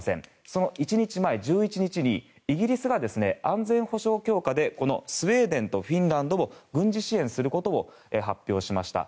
その１日前、１１日にイギリスが安全保障強化でスウェーデンとフィンランドを軍事支援することを発表しました。